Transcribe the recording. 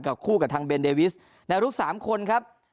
คู่กับทางเบนเดวิสแนวรุก๓คนครับ